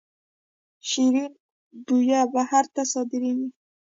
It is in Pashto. شیرین بویه بهر ته صادریږي